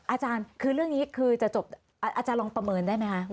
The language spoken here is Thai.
อาจารย์คือเรื่องนี้คือจะจบอาจารย์ลองประเมินได้ไหมคะ